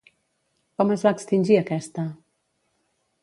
Com es va extingir aquesta?